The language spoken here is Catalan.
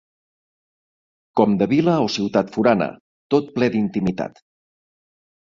Com de vila o ciutat forana, tot ple d'intimitat